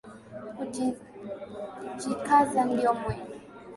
Kujikaza ndio mwendo